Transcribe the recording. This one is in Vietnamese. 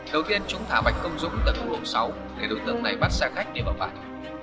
đầu tiên chúng thả bạch công dũng tận u một mươi sáu để đối tượng này bắt xe khách đi vào bàn